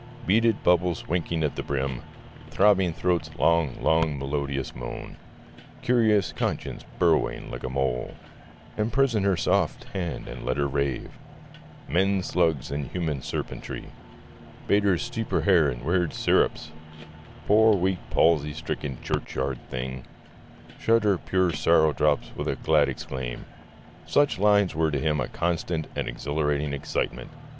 Beaded bubbles winking at the brim; Throbbing throats' long, long melodious moan; Curious conscience burrowing like a mole; Emprison her soft hand and let her rave; Men slugs and human serpentry; Bade her steep her hair in weird syrops; Poor weak palsy stricken churchyard thing; Shut her pure sorrow drops with glad exclaim such lines were to him a constant and exhilarating excitement.